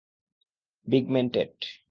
Big man TET.